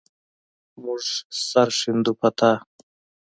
مونږ سر ښندو په تا